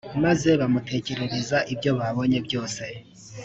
maze bamutekerereza ibyo babonye byose.